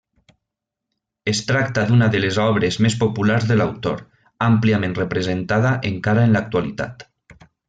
Es tracta d'una de les obres més populars de l'autor, àmpliament representada encara en l'actualitat.